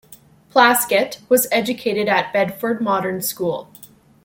Plaskett was educated at Bedford Modern School.